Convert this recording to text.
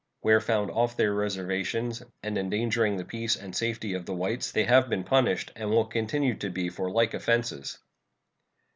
Where found off their reservations, and endangering the peace and safety of the whites, they have been punished, and will continue to be for like offenses.